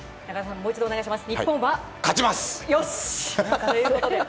もう一度お願いします。